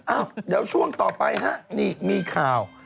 อ้าวเดี๋ยวช่วงต่อไปฮะนี่มีข่าว